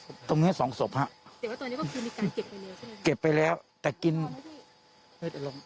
เดี๋ยวว่าตอนนี้ก็คือมีการเก็บไปแล้วใช่ไหมเก็บไปแล้วแต่กิน